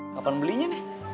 kapan belinya nih